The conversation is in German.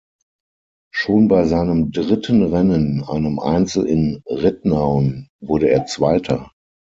Schon bei seinem dritten Rennen, einem Einzel in Ridnaun, wurde er Zweiter.